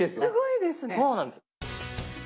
すごいですね。